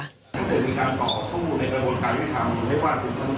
ถ้าเกิดมีการต่อสู้ในกระบวนการวิทยาลัยฯไม่ว่าคุณช่างต้น